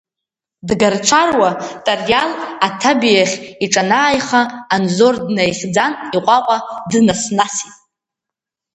Дгарҽаруа Тариал аҭабиахь иҿанааиха, Анзор днаихьӡан иҟәаҟәа днас-насит.